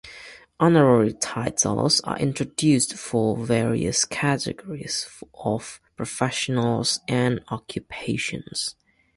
Honorary titles are introduced for various categories of professions and occupations.